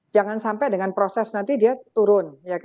jangan sampai dengan proses nanti dia turun